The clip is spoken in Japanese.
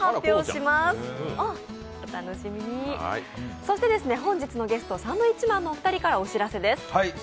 そして、本日のゲスト、サンドウィッチマンのお二人からお知らせです。